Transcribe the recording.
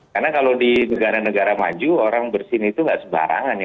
karena kalau di negara negara maju orang bersin itu nggak sebarangan ya